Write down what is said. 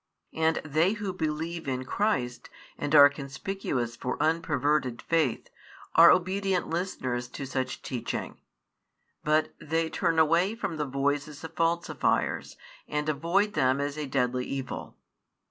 And they who believe in Christ and are conspicuous for unperverted faith, are obedient listeners to such teaching; but they turn away from the voices of falsifiers, and avoid them as |65 a deadly evil.